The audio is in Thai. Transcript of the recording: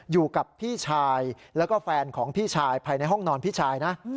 อยู่กับพี่ชายแล้วก็แฟนของพี่ชายภายในห้องนอนพี่ชายนะ